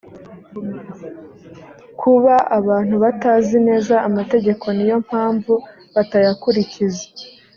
kuba abantu batazi neza amategeko niyo mpamvu batayakurikiza